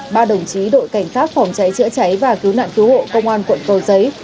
ba đồng chí đội cảnh sát phòng cháy chữa cháy và cứu nạn cứu hộ công an quận cầu giấy